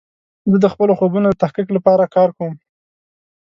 زه د خپلو خوبونو د تحقق لپاره کار کوم.